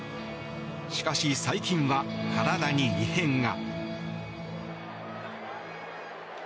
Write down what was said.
しかし、最近は体に異変が。